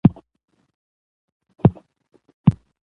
که واقعاً غواړې بریالی سې،